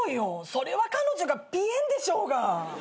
それは彼女がぴえんでしょうが。